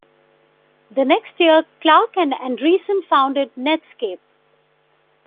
The next year Clark and Andreessen founded Netscape.